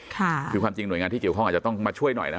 คือความจริงหน่วยงานที่เกี่ยวข้องอาจจะต้องมาช่วยหน่อยนะ